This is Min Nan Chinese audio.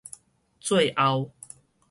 最後